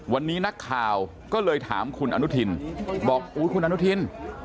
วันนี้นักข่าวก็เลยถามคุณอนุทินบอกอุ๊ยคุณอนุทิน